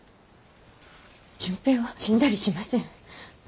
純平は死んだりしません。